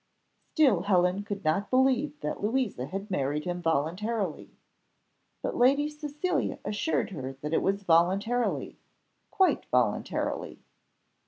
_ Still Helen could not believe that Louisa had married him voluntarily; but Lady Cecilia assured her that it was voluntarily, quite voluntarily.